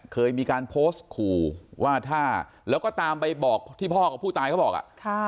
เคยมีการโพสต์ขู่ว่าถ้าแล้วก็ตามไปบอกที่พ่อกับผู้ตายเขาบอกอ่ะ